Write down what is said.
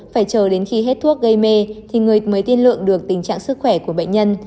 phải chờ đến khi hết thuốc gây mê thì người mới tiên lượng được tình trạng sức khỏe của bệnh nhân